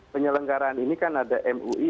penyelenggaraan ini kan ada mui